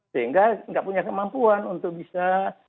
sehingga tidak punya kemampuan untuk bisa